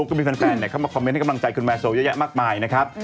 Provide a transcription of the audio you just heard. ก็มีแฟนเข้ามาคอมเมนต์ให้กำลังใจคุณแมโซเยอะแยะมากมายนะครับ